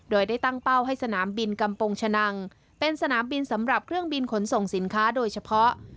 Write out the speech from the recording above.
โดยได้ตั้งเป้าให้สนามบินกำปงชะนังเป็นสนามบินสำหรับเครื่องบินขนส่งสินค้าโดยเฉพาะ